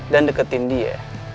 dan deketin dia